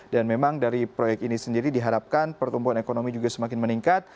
dan memang dari proyek ini sendiri diharapkan pertumbuhan ekonomi juga semakin meningkat